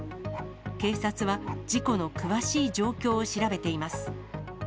警察は、事故の詳しい状況を調べています。